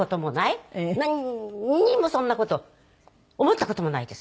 なんにもそんな事思った事もないです。